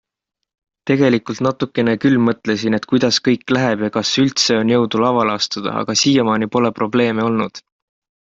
Tegelikult natukene küll mõtlesin, et kuidas kõik läheb ja kas üldse on jõudu lavale astuda, aga siiamaani pole probleeme olnud.